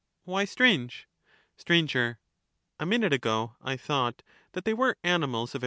Why strange ? Sophists Sir. A minute ago I thought that they were animals of ^^f.